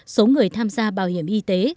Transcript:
số người tham gia bảo hiểm y tế